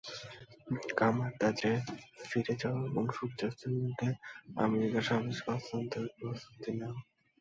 কামার-তাজে ফিরে যাও, এবং সূর্যাস্তের মধ্যে আমেরিকা শাভেজকে হস্তান্তরের প্রস্তুতি নেও।